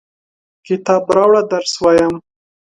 کتاب راوړه ، درس وایم!